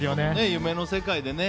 夢の世界でね。